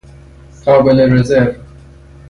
قابل رزرو